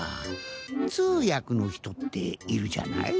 つうやくのひとっているじゃない？